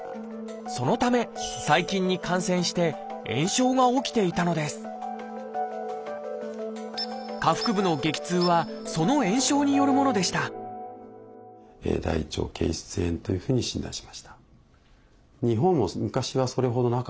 そのため細菌に感染して炎症が起きていたのです下腹部の激痛はその炎症によるものでした木村さんは入院。